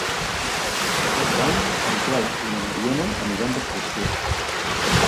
Per Cap d'Any en Quel i na Mariona aniran d'excursió.